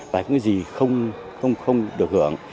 và những cái gì không được hưởng